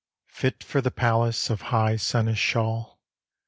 Fit for the palace of high seneschal!